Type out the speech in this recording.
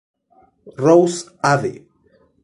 Rose ave.